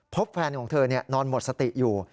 พบแฟนของเธอนอนหมดสติอยู่